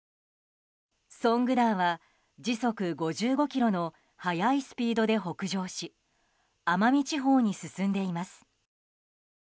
ソングダーは時速５５キロの早いスピードで北上し奄美地方に進んでいます。